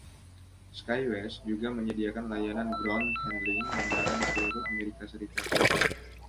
SkyWest juga menyediakan layanan ground handling bandara di seluruh Amerika Serikat.